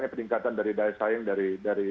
peningkatan dari daya saing dari